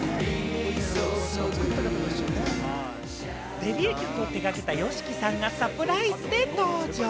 デビュー曲を手がけたＹＯＳＨＩＫＩさんがサプライズで登場。